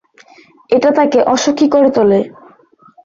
এটা তাকে অসুখী করে তোলে।